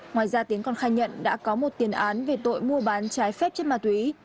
ngoài ra tiến còn khai nhận đã có một tiền án về tội mua bán trái phép chất ma túy